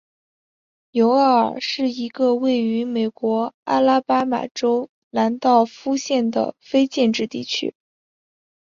纽厄尔是一个位于美国阿拉巴马州兰道夫县的非建制地区。